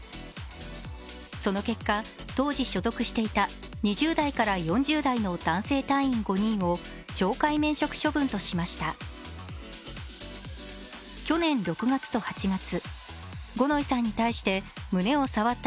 その結果、当時所属していた２０代から４０代の男性隊員５人を懲戒免職処分としました。